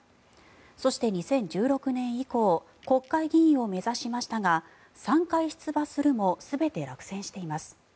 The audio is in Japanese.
そして、２０１６年以降国会議員を目指しましたが３回出馬するも全て落選しています。